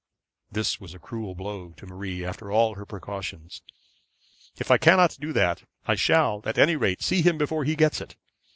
This was a cruel blow to Marie after all her precautions. 'If I cannot do that, I shall at any rate see him before he gets it.